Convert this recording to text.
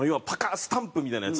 スタンプみたいなやつ。